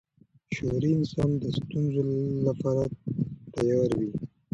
شعوري انسان د ستونزو لپاره تیار وي.